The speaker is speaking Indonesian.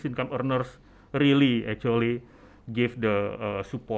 pendapatan pendapatan pendapatan yang berhasil